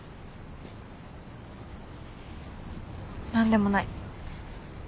何でもない。